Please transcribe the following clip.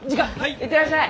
行ってらっしゃい！